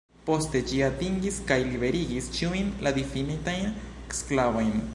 Poste ĝi atingis kaj liberigis ĉiujn la difinitajn sklavojn.